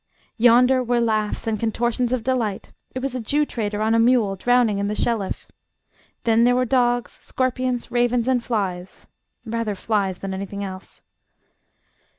Yonder were laughs and contortions of delight: it was a Jew trader on a mule drowning in the Shelliff. Then there were dogs, scorpions, ravens, and flies rather flies than anything else.